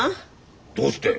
どうして？